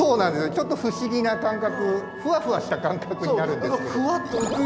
ちょっと不思議な感覚ふわふわした感覚になるんですけど。